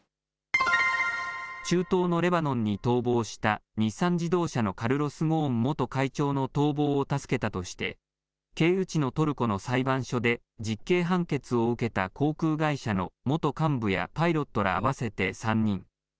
中東のレバノンに逃亡した日産自動車のカルロス・ゴーン元会長の逃亡を助けたとして経由地のトルコの裁判所で実刑判決を受けた航空会社の元幹部やパイロットら合わせて３人。